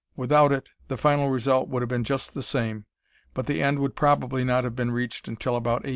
Without it the final result would have been just the same, but the end would probably not have been reached until about 1888.